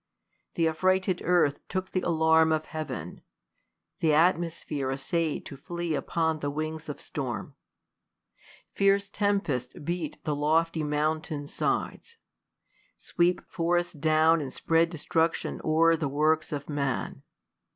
Th' affrighted earth Took the alarm of heav'n : the atmosphere Assay'd to flee upon the wings of storm. Fierce tempests beat the lofty mountains' side :;, Sweep forests down, and spread destruction o'er The works of man.